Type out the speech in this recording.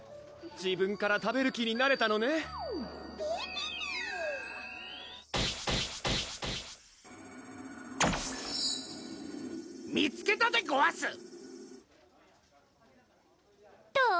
自分から食べる気になれたのねピピピー見つけたでごわすどう？